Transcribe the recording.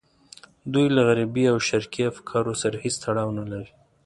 دوی له غربي او شرقي افکارو سره هېڅ تړاو نه لري.